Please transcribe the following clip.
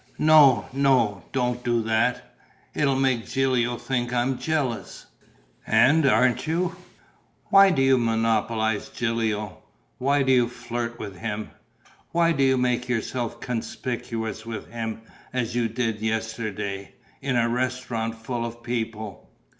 "No, no, don't do that: it'll make Gilio think I'm jealous!" "And aren't you?" "Why do you monopolize Gilio? Why do you flirt with him? Why do you make yourself conspicuous with him, as you did yesterday, in a restaurant full of people?"